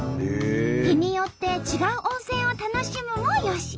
日によって違う温泉を楽しむもよし。